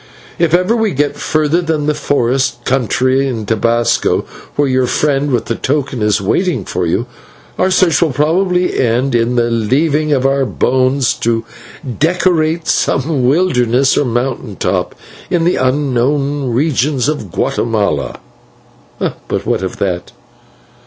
If ever we get further than the forest country in Tobasco, where your friend with the token is waiting for you, our search will probably end in the leaving of our bones to decorate some wilderness or mountain top in the unknown regions of Guatemala. "But what of that?